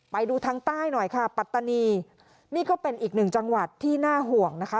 ไปดูทางใต้หน่อยค่ะปัตตานีนี่ก็เป็นอีกหนึ่งจังหวัดที่น่าห่วงนะคะ